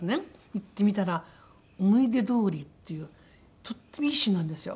行ってみたら『想い出通り』っていうとってもいい詞なんですよ。